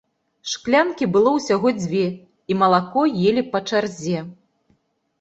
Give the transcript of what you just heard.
Шклянкі было ўсяго дзве, і малако елі па чарзе.